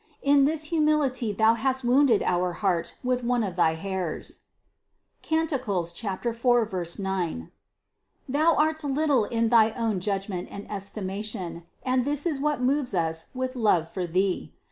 In this humility thou hast wounded our heart with one of thy hairs (Cant. 4, 9). Thou art little in thy own judgment and estimation, and this is what moves Us with love for thee.